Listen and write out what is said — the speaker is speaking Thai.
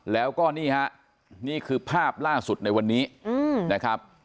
แล้วก็นี่ฮะนี่คือภาพล่าสุดในวันนี้นะครับ